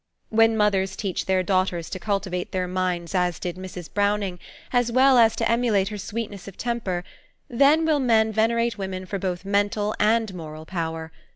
When mothers teach their daughters to cultivate their minds as did Mrs. Browning, as well as to emulate her sweetness of temper, then will men venerate women for both mental and moral power.